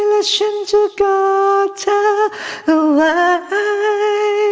และฉันจะกอดเธอไว้